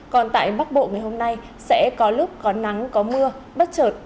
còn tại bắc bộ ngày hôm nay sẽ có lúc có nắng có mưa bất trợt